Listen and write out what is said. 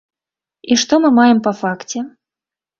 І што мы маем па факце?